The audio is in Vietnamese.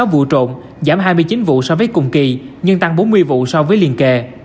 chín mươi sáu vụ trộn giảm hai mươi chín vụ so với cùng kỳ nhưng tăng bốn mươi vụ so với liên kỳ